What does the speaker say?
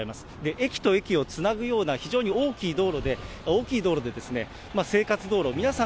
駅と駅をつなぐような非常に大きい道路で、大きい道路でですね、生活道路、皆さん